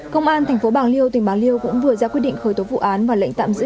công an tp bạc liêu tỉnh bạc liêu cũng vừa ra quyết định khởi tố vụ án và lệnh tạm giữ